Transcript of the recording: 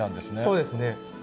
そうですね。